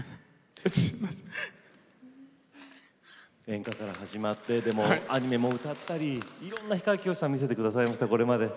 演歌から始まってでもアニメも歌ったりいろんな氷川きよしさん見せてくださいましたこれまで。